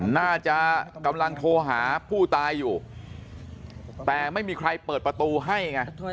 น่าจะกำลังโทรหาผู้ตายอยู่แต่ไม่มีใครเปิดประตูให้ไง